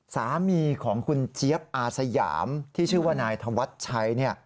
สามีของคุณเจี๊ยบอาสยามที่ชื่อว่านายธวัชชัย